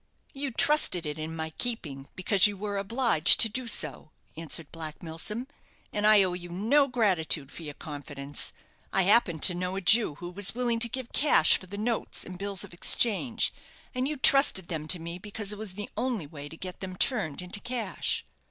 "You trusted it in my keeping because you were obliged to do so," answered Black Milsom, "and I owe you no gratitude for your confidence. I happened to know a Jew who was willing to give cash for the notes and bills of exchange; and you trusted them to me because it was the only way to get them turned into cash."